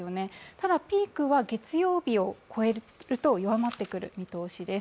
ただ、ピークは月曜日を越えると弱まってくる見通しです。